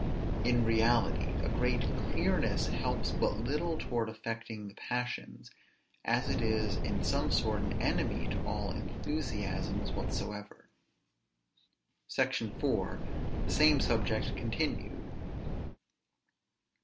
In reality, a great clearness helps but little towards affecting the passions, as it is in some sort an enemy to all enthusiasms whatsoever. SECTION [IV]. THE SAME SUBJECT CONTINUED.